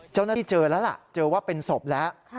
เจ้าหน้าที่เจอแล้วล่ะเจอว่าเป็นศพแล้ว